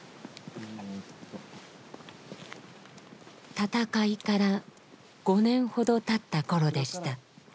闘いから５年ほどたった頃でした。